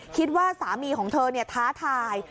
คิดว่าสามีของเธอท้าทาย